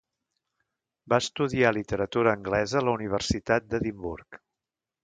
Va estudiar literatura anglesa a la Universitat d'Edimburg.